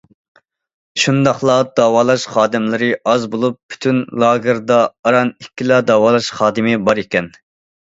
شۇنداقلا داۋالاش خادىملىرى ئاز بولۇپ، پۈتۈن لاگېردا ئاران ئىككىلا داۋالاش خادىمى بار ئىكەن.